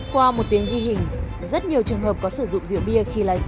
qua một tiếng ghi hình rất nhiều trường hợp có sử dụng rượu bia khi lái xe